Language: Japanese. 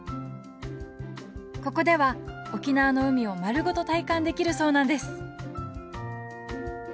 ここでは沖縄の海を丸ごと体感できるそうなんです！